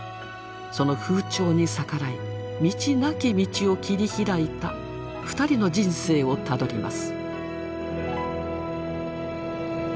その風潮に逆らい道なき道を切り開いた２人の人生をたどります。